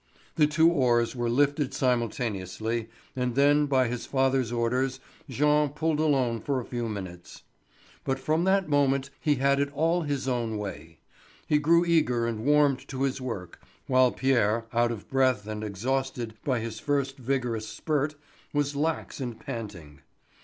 The two oars were lifted simultaneously, and then by his father's orders Jean pulled alone for a few minutes. But from that moment he had it all his own way; he grew eager and warmed to his work, while Pierre, out of breath and exhausted by his first vigorous spurt, was lax and panting.